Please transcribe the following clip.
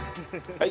はい！